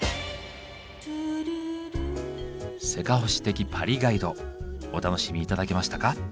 せかほし的パリガイド。お楽しみ頂けましたか？